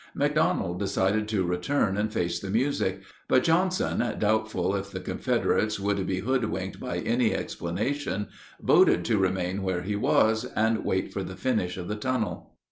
McDonald decided to return and face the music; but Johnson, doubtful if the Confederates would be hoodwinked by any explanation, voted to remain where he was and wait for the finish of the tunnel.